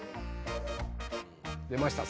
出ました。